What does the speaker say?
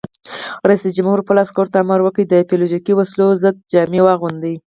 رئیس جمهور خپلو عسکرو ته امر وکړ؛ د بیولوژیکي وسلو ضد جامې واغوندئ!